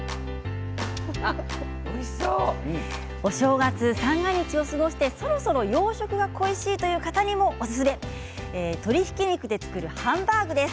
お正月三が日を過ごしてそろそろ洋食が恋しいという方にもおすすめ鶏ひき肉で作るハンバーグです。